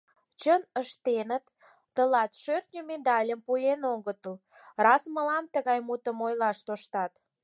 — Чын ыштеныт — тылат шӧртньӧ медальым пуэн огытыл, раз мылам тыгай мутым ойлаш тоштат!